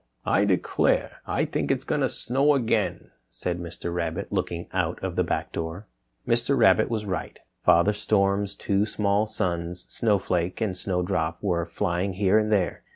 "I declare, I think it's going to snow again," said Mr. Rabbit, looking out of the back door. Mr. Rabbit was right. Father Storm's two small sons, Snow Flake and Snow Drop, were flying here and there.